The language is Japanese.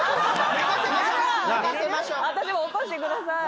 私を起こしてください。